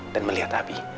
dan melihat abi